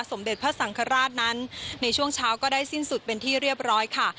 สมเด็จพระสังฆราชนั้นในช่วงเช้าก็ได้สิ้นสุดเป็นที่เรียบร้อยค่ะ